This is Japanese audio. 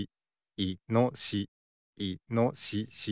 いのしし。